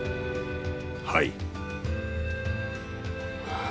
はい。